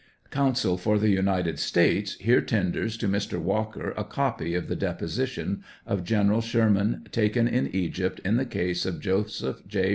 [Counsel for the United States here tenders to Mr. Walker a copy of the deposition of General Sherman taken in Egypt in the case of Joseph J.